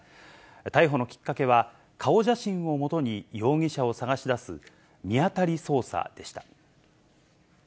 逮捕のきっかけは、顔写真を基に容疑者を捜し出す、見当たり捜査でした。